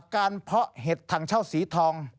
การเพาะเห็ดทางเช่าสีทอง